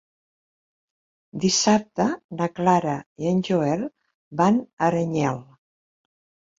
Dissabte na Clara i en Joel van a Aranyel.